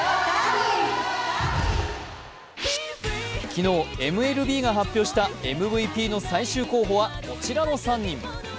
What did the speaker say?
昨日、ＭＬＢが発表したＭＶＰの最終候補はこちらの３人。